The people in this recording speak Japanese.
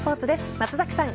松崎さん